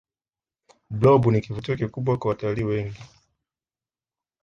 blob ni kivutio kikubwa kwa watalii wengi